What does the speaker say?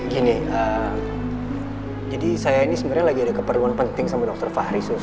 gini jadi saya ini sebenarnya lagi ada keperluan penting sama dokter fahri